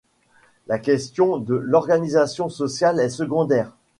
La question de l’organisation sociale est secondaire.